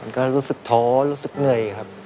ก็รู้สึกท้อรู้สึกเหนื่อยครับ